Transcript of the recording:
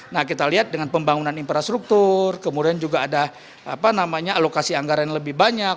nah kita lihat dengan pembangunan infrastruktur kemudian juga ada alokasi anggaran yang lebih banyak